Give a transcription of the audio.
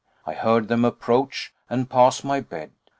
I heard them approach and pass my bed.